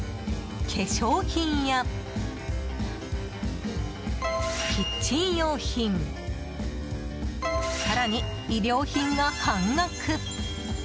化粧品や、キッチン用品更に衣料品が半額。